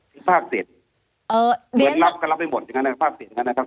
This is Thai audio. เป็นภาคเศษเหมือนรับก็รับไม่หมดอย่างนั้นนะครับ